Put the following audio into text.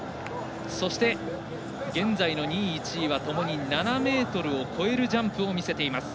そして現在の２位、１位はともに７ｍを超えるジャンプを見せています。